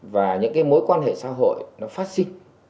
và những cái mối quan hệ xã hội nó phát sinh